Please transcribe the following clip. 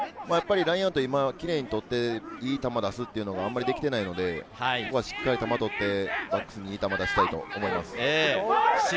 今、キレイに捕って、いい球を出すというのがまりできていないので、ここはしっかり球を取って、バックスにいい球を出したいと思います。